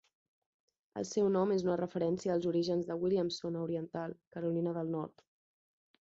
El seu nom és una referència als orígens de Williamson a Oriental, Carolina del Nord.